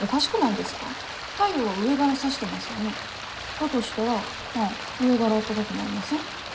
だとしたら上がら温かくなりません？